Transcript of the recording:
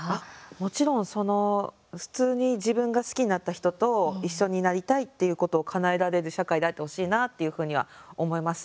もちろん普通に自分が好きになった人と一緒になりたいっていうことをかなえられる社会であってほしいなっていうふうには思います。